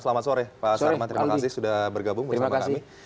selamat sore pak sarman terima kasih sudah bergabung bersama kami